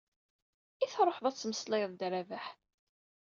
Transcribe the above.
I tṛuḥeḍ ad temmeslayeḍ d Rabaḥ?